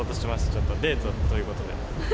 ちょっとデートということで。